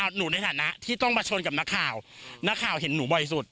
หนูในฐานะที่ต้องมาชนกับนักข่าวนักข่าวเห็นหนูบ่อยสุด